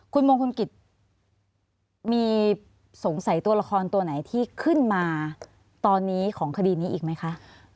คุณมงคลกิจมีสงสัยตัวละครตัวไหนที่ขึ้นมาตอนนี้ของคดีนี้อีกไหมคะ